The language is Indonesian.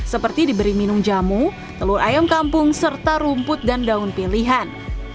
seperti diberi minum jamu telur ayam kampung serta rumput dan daun pilihan